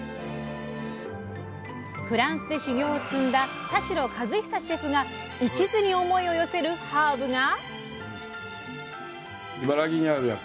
フランスで修業を積んだ田代和久シェフがいちずに思いを寄せるハーブが！